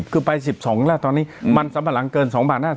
คือไป๑๒แล้วตอนนี้มันสำหรับหลังเกิน๒บาท๕๐